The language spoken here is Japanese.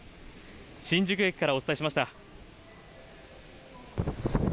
新宿駅からお伝えしました。